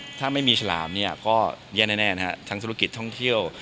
สิ่งที่ไม่มีชลามก็แย่แน่ทั้งธุรกิจท่องเที่ยว